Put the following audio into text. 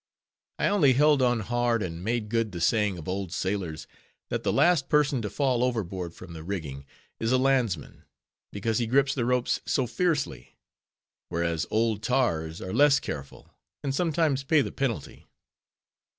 I only held on hard, and made good the saying of old sailors, that the last person to fall overboard from the rigging is a landsman, because he grips the ropes so fiercely; whereas old tars are less careful, and sometimes pay the penalty.